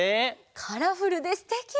カラフルですてき！